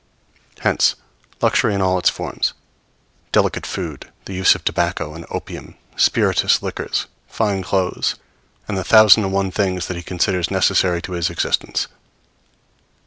Hence luxury in all its forms; delicate food, the use of tobacco and opium, spirituous liquors, fine clothes, and the thousand and one things than he considers necessary to his existence.